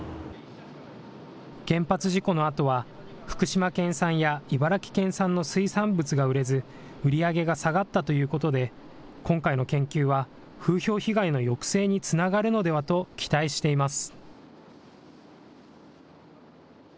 原発事故のあとは、福島県産や茨城県産の水産物が売れず、売り上げが下がったということで、今回の研究は風評被害の抑制につながるのではと期待しています。